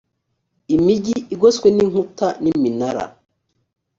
imigi igoswe n’inkuta n’iminara